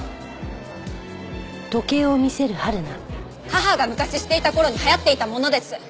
母が昔していた頃に流行っていたものです。